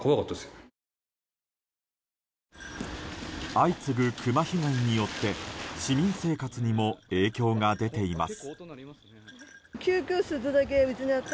相次ぐクマ被害によって市民生活にも影響が出ています。